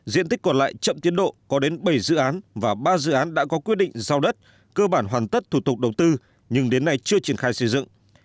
diện tích còn lại chậm tiến độ có đến bảy dự án và ba dự án đã có quyết định giao đất cơ bản hoàn tất thủ tục đầu tư nhưng đến nay chưa triển khai xây dựng